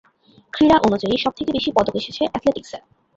ক্রীড়া-অনুযায়ী, সবথেকে বেশি পদক এসেছে অ্যাথলেটিক্স-এ।